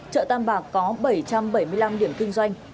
chợ tam bạc có bảy trăm bảy mươi năm điểm kinh doanh